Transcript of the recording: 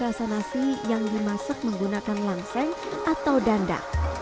rai rasa nasi yang dimasak menggunakan langseng atau danda